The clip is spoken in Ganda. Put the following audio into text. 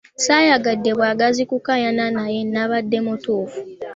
Ssaayagadde bwagazi kukaayana naye nabadde mutuufu.